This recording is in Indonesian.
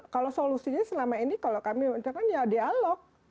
kalau solusinya selama ini kalau kami ucapkan ya dialog